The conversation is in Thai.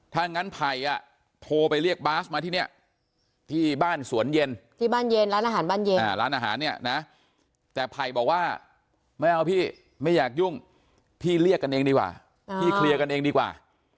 ถ้างั้นไผ่โทรไปเรียกบาสมาที่เนี่ยที่บ้านสวนเย็นที่บ้านเย็นร้านอาหารบ้านเย็นร้านอาหารเนี่ยนะแต่ไผ่บอกว่าไม่เอาพี่ไม่อยากยุ่งพี่เรียกกันเองดีกว่าพี่เคลียร์กันเองดีกว่า